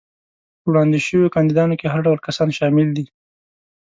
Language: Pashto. په وړاندې شوو کاندیدانو کې هر ډول کسان شامل دي.